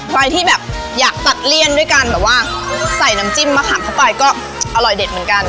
ใครที่แบบอยากตัดเลี่ยนด้วยการแบบว่าใส่น้ำจิ้มมะขามเข้าไปก็อร่อยเด็ดเหมือนกัน